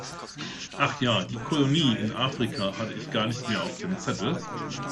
Ach ja, die Kolonie in Afrika hatte ich gar nicht mehr auf dem Zettel.